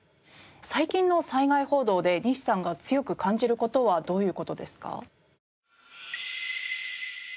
最近の災害報道で西さんが強く感じる事はどういう事ですか？